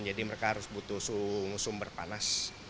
jadi mereka harus butuh suhu berpanas